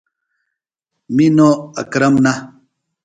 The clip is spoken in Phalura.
می نو اکرم نہ۔